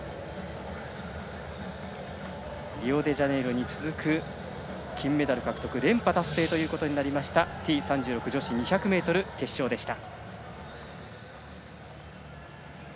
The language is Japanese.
リオデジャネイロに続く金メダル獲得、連覇達成となったＴ３６女子２００ｍ決勝でした。